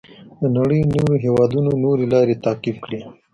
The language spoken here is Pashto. د نړۍ نورو هېوادونو نورې لارې تعقیب کړې.